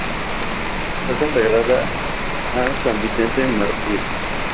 Fue consagrada a San Vicente Mártir.